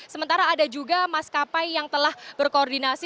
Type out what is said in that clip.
sementara ada juga maskapai yang telah berkoordinasi